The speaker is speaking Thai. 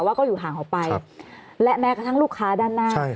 ว่าก็อยู่ห่างออกไปและแม้กระทั่งลูกค้าด้านหน้า